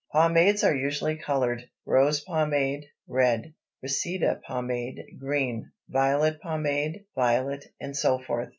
Pomades are usually colored—rose pomade, red; reseda pomade, green; violet pomade, violet, etc.